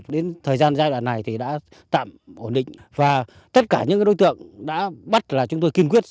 đến thời gian giai đoạn này thì đã tạm ổn định và tất cả những đối tượng đã bắt là chúng tôi kiên quyết